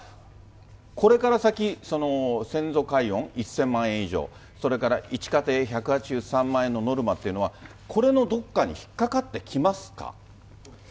これから先、先祖解怨１０００万円以上、それから１家庭１８３万円のノルマっていうのは、これのどっかに引っ掛かってきますか。